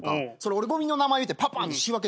俺ごみの名前言うてパパンって仕分けできる？